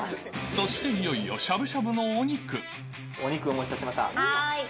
そしていよいよ、しゃぶしゃお肉、お待たせしました。